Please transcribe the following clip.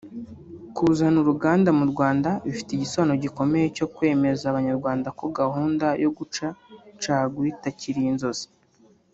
Kuzana uruganda mu Rwanda bifite igisobanuro gikomeye cyo kwemeza abanyarwanda ko gahunda yo guca caguwa itakiri inzozi